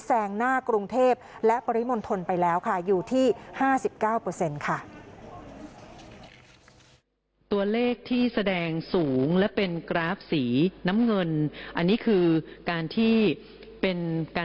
แซงหน้ากรุงเทพฯและปริมณฑลไปแล้วค่ะอยู่ที่๕๙เปอร์เซ็นต์ค่ะ